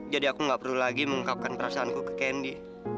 jadi aku gak perlu lagi mengungkapkan perasaanku ke candy